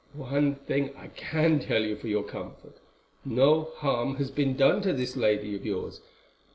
One thing I can tell you for your comfort—no harm has been done to this lady of yours.